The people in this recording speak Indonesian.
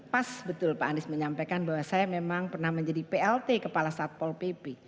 pas betul pak anies menyampaikan bahwa saya memang pernah menjadi plt kepala satpol pp